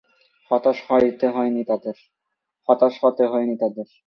হতাশ হতে হয়নি তাদের।